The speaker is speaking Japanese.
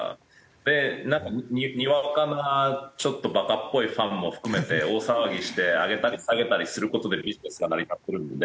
でなんかにわかなちょっとバカっぽいファンも含めて大騒ぎして上げたり下げたりする事でビジネスが成り立ってるんで。